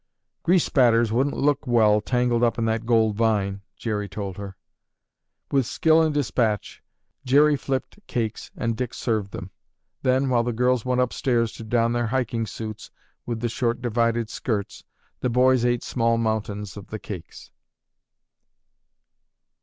"Grease spatters wouldn't look well tangled up in that gold vine," Jerry told her. With skill and despatch, Jerry flipped cakes and Dick served them. Then, while the girls went upstairs to don their hiking suits with the short divided skirts, the boys ate small mountains of the cakes.